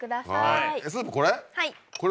えっスープこれ？